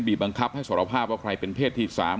บังคับให้สารภาพว่าใครเป็นเพศที่๓